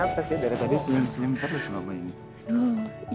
kenapa sih dari tadi senyum senyum terus mama ini